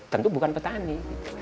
tentu bukan petani